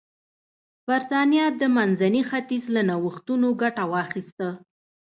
برېټانیا د منځني ختیځ له نوښتونو ګټه واخیسته.